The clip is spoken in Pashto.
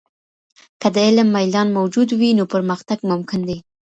که د علم ميلان موجود وي، نو پرمختګ ممکن دی.